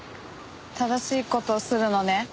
正しい事をするのね？